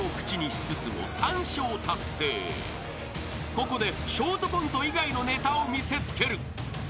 ［ここでショートコント以外のネタを見せつける］